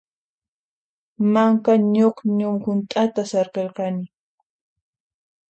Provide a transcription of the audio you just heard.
Manka ñuqñu hunt'ata saqirqani.